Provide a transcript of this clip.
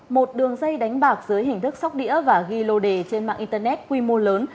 một đường dây đánh bạc dưới hình thức sóc đĩa và ghi lô đề trên mạng internet quy mô lớn